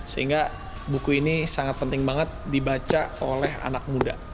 sehingga buku ini sangat penting banget dibaca